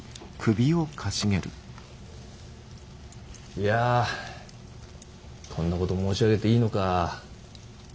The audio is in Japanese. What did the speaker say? いやこんなこと申し上げていいのか。